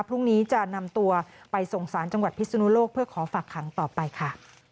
พรุ่งนี้จะนำตัวไปส่งสารจังหวัดพิศนุโลกเพื่อขอฝากขังต่อไปค่ะ